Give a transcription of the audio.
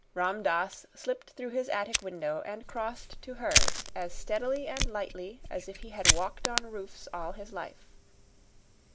Ram Dass slipped through his attic window and crossed to hers as steadily and lightly as if he had walked on roofs all his life.